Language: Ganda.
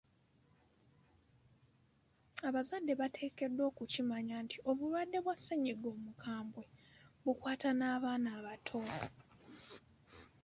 Abazadde bateekeddwa okukimanya nti obulwadde bwa ssennyiga omukambwe bukwata n'abaana abato.